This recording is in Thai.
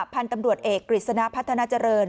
พันธุ์ตำรวจเอกกฤษณะพัฒนาเจริญ